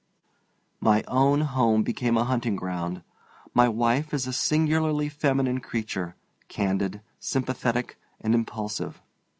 My own home became a hunting ground. My wife is a singularly feminine creature, candid, sympathetic, and impulsive.